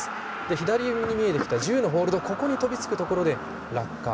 左上に見えてきた１０のホールドで飛びつくところで落下。